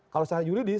kalau secara juridis